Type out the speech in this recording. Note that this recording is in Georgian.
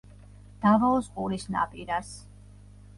დავაოს ყურის ნაპირას.